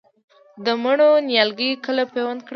د مڼو نیالګي کله پیوند کړم؟